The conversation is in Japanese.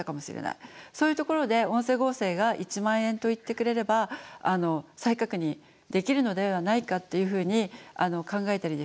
そういうところで音声合成が「１万円」と言ってくれれば再確認できるのではないかっていうふうに考えたりですね